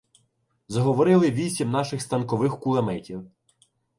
Заговорили вісім наших станкових кулеметів.